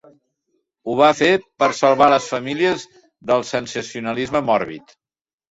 Ho va fer per salvar les famílies del sensacionalisme mòrbid.